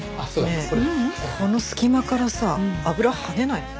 ねえこの隙間からさ油跳ねないの？